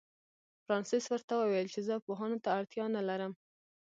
فرانسس ورته وویل چې زه پوهانو ته اړتیا نه لرم.